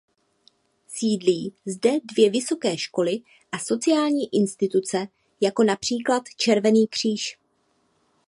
Sídlí zde dvě vysoké školy a sociální instituce jako například Červený kříž.